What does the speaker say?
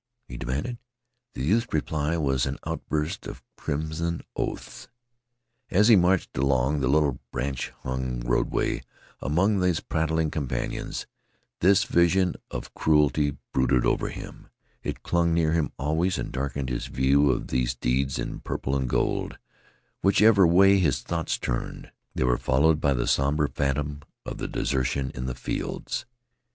he demanded. The youth's reply was an outburst of crimson oaths. As he marched along the little branch hung roadway among his prattling companions this vision of cruelty brooded over him. It clung near him always and darkened his view of these deeds in purple and gold. Whichever way his thoughts turned they were followed by the somber phantom of the desertion in the fields.